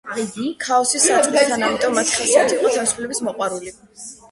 ქაოსის საწყისთან, ამიტომ მათი ხასიათი იყო თავისუფლების მოყვარული.